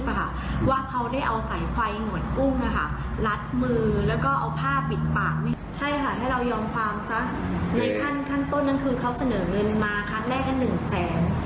เราก็ไม่เอาเขาก็บอก๕แสนกับที่ดินแปลง๑แปลกแสนเราก็ไม่เอา